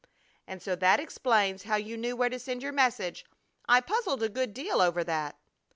And so that explains how you knew where to send your message. I puzzled a good deal over that."